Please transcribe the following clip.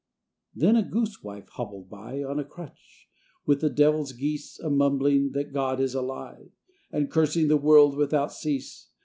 Then a goose wife hobbled by, On a crutch, with the devil's geese, A mumbling that God is a lie, And cursing the world without cease.